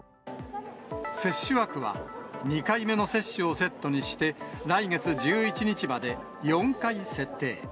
接種枠は、２回目の接種をセットにして、来月１１日まで４回設定。